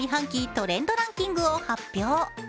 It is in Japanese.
トレンドランキングを発表。